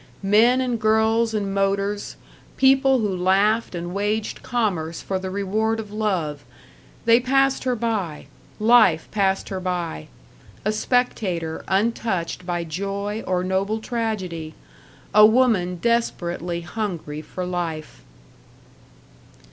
Men and girls and motors, people who laughed and waged commerce for the reward of love they passed her by, life passed her by, a spectator untouched by joy or noble tragedy, a woman desperately hungry for life.